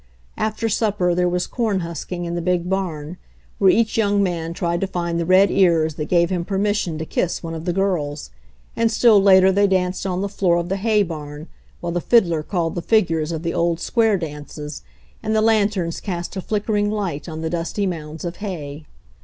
After supper there was corn husking in the big barn, where each young man tried to find the red ears that gave him permission to kiss one of the girls, and still later they danced on the floor of the hay barn while the fiddler called the figures of the old square dances and the lanterns cast a flickering light on the dusty mounds of hay.